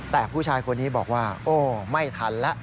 แต่ผู้ชายคนนี้บอกว่าโอ้ไม่ทันแล้ว